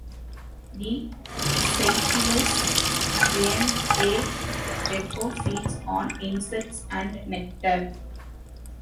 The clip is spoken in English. The Seychelles giant day gecko feeds on insects and nectar.